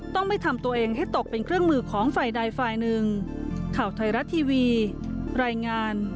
ต้องไม่ทำตัวเองให้ตกเป็นเครื่องมือของฝ่ายใดฝ่ายหนึ่ง